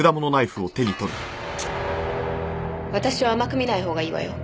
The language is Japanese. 私を甘く見ない方がいいわよ。